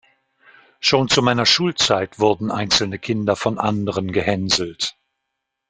Schon zu meiner Schulzeit wurden einzelne Kinder von anderen gehänselt.